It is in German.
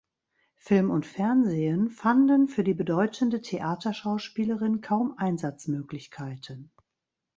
Film und Fernsehen fanden für die bedeutende Theaterschauspielerin kaum Einsatzmöglichkeiten.